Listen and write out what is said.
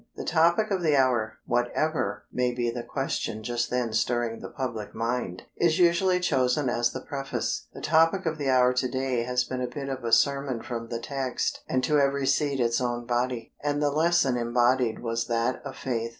"The Topic of the Hour," whatever may be the question just then stirring the public mind, is usually chosen as the preface. The topic of the hour to day has been a bit of a sermon from the text, "And to every seed its own body," and the lesson embodied was that of Faith.